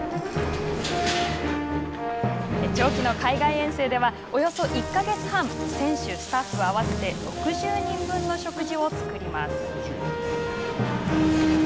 長期の海外遠征ではおよそ１か月半選手、スタッフ合わせて６０人分の食事を作ります。